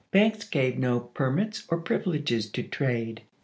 Banks gave no permits or privileges to trade.